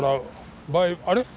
あれ？